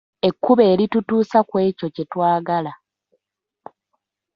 Ekkubo eritutuusa ku ekyo kye twagala.